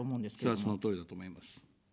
それは、そのとおりだと思います。